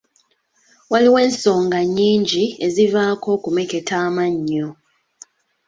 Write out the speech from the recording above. Waliwo ensonga nnyingi ezivaako okumeketa amannyo.